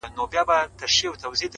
o او د خپل زړه په تصور كي مي ـ